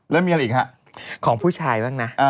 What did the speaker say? แล้วมีอะไรอีกฮะของผู้ชายบ้างนะ